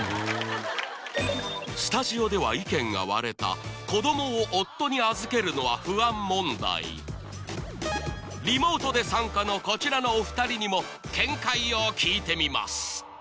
スタジオでは意見が割れた子どもを夫に預けるのは不安問題リモートで参加のこちらのお２人にも見解を聞いてみます